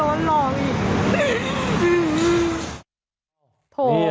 ก็มาโดนร้องอีก